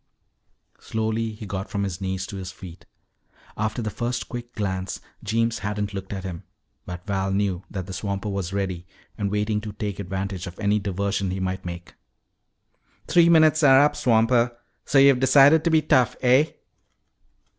Slowly he got from his knees to his feet. After the first quick glance, Jeems hadn't looked at him, but Val knew that the swamper was ready and waiting to take advantage of any diversion he might make. "Three minutes are up, swamper. So yuh've decided to be tough, eh?"